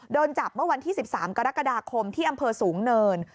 โดนจับเมื่อวันที่๑๓กรกฎาคมที่อำเภอสูงเนิน